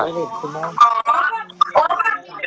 หาไม่เล่นเดี๋ยวออกเร็วค่ะ